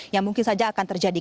yang mungkin saja akan terjadi